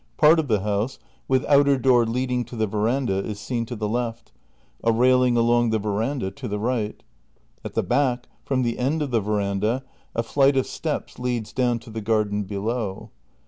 Part of the house, with outer door leading to the ve randa, is seen to the left. A railing along the veranda to tlie right. At the back, from the end of the ve randa, a flight of steps leads down to the garden below.